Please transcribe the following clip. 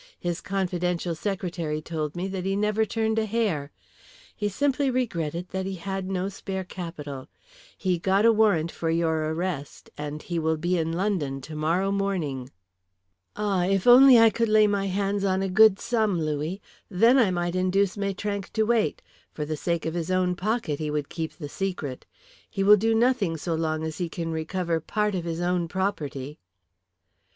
His confidential secretary told me that he never turned a hair. He simply regretted that he had no spare capital; he got a warrant for your arrest, and he will be in London tomorrow morning." "Ah! If I could only lay my hands on a good sum, Louis! Then I might induce Maitrank to wait. For the sake of his own pocket he would keep the secret. He will do nothing so long as he can recover part of his own property."